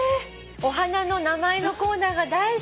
「お花の名前のコーナーが大好きです」